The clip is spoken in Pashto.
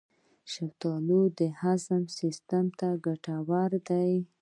شفتالو د هاضمې سیستم ته ګټور دی.